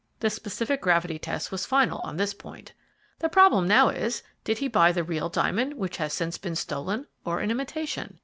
The specific gravity test was final on this point. The problem now is: Did he buy the real diamond, which has since been stolen, or an imitation?